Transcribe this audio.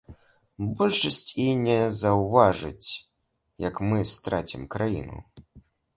Большасць і не заўважыць, як мы страцім краіну.